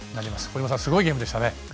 小島さん、すごいゲームでしたね。